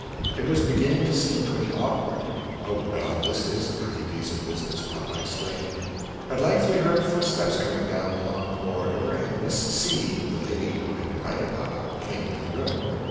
It was beginning to seem pretty awkward, "Oh well this is a pretty piece of business," papa exclaimed. At length we heard footsteps coming down the long corridor and Miss C, (the lady who had invited papa) came into the room.